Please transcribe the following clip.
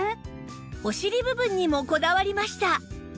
お尻部分にもこだわりました